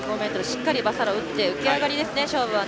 しっかりバサロを打って浮き上がりですね、勝負は。